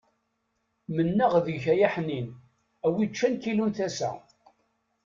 Mennaɣ-n deg-k ay aḥnin, a wi yeččan kilu n tasa.